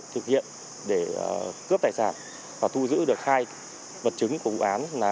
chín h tối cùng anh